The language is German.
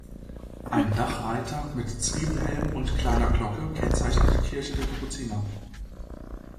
Ein Dachreiter mit Zwiebelhelm und kleiner Glocke kennzeichnet die Kirche der Kapuziner.